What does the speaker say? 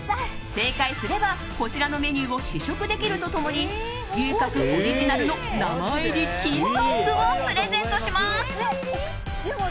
正解すれば、こちらのメニューを試食できると共に牛角オリジナルの名前入り金トングをプレゼントします。